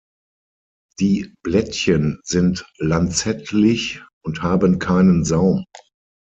Die Blättchen sind lanzettlich und haben keinen Saum.